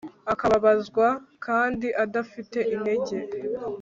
akababazwa kandi adafite inenge